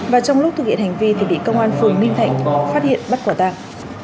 và trong lúc thực hiện hành vi thì bị công an phường ninh thạnh phát hiện bắt quả tàng